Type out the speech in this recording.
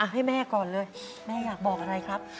ให้แม่ก่อนเลยแม่อยากบอกอะไรครับ